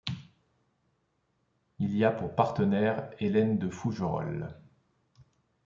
Il y a pour partenaire Hélène de Fougerolles.